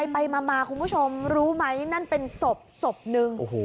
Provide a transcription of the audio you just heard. ไปมาคุณผู้ชมรู้ไหมนั่นเป็นศพศพหนึ่ง